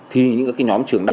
thì những nhóm trường đại học